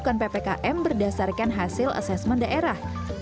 dan melakukan ppkm berdasarkan hasil asesmen daerah